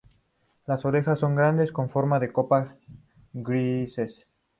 Las orejas son grandes, con forma de copa y grises.